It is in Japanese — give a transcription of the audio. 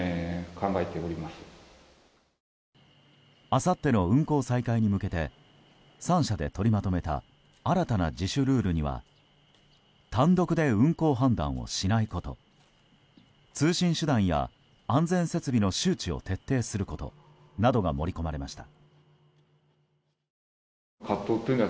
あさっての運航再開に向けて３社で取りまとめた新たな自主ルールには単独で運航判断をしないこと通信手段や安全設備の周知を徹底することなどが盛り込まれました。